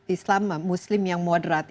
islam muslim yang moderat